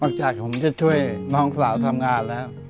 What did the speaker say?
จากผมจะช่วยน้องสาวทำงานแล้ว